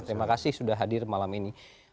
terima kasih sudah hadir malam ini